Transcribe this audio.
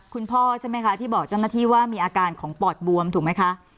คุณพ่อใช่ไหมคะที่บอกเจ้าหน้าที่ว่ามีอาการของปอดบวมถูกไหมคะ